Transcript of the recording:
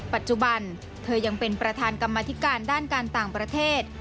ปัจจุบันเธอยังเป็นประธานกรรมธิการด้านการต่างประเทศ